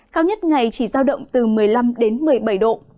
cao nhất ngày chỉ giao động từ một mươi năm đến một mươi bảy độ